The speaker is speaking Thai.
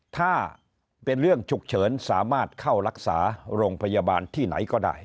ถ้าเป็นเรื่องฉุกเฉินสามารถเข้ารักษาโรงพยาบาลที่ไหนก็ได้